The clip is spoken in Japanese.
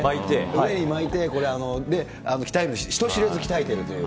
腕に巻いて鍛えるんです、人知れず鍛えてるという。